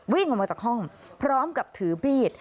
วิ่งออกมาจากห้องพร้อมกับถือมีด